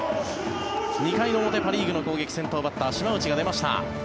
２回の表、パ・リーグの攻撃先頭バッター、島内が出ました。